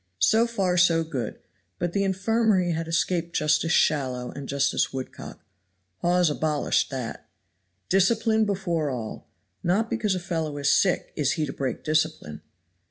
So far so good; but the infirmary had escaped Justice Shallow and Justice Woodcock. Hawes abolished that. Discipline before all. Not because a fellow is sick is he to break discipline.